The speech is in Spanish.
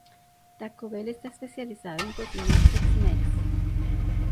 Taco Bell está especializado en cocina Tex-Mex.